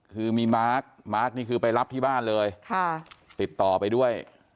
คือมีมาร์คมาร์คนี่คือไปรับที่บ้านเลยติดต่อไปด้วย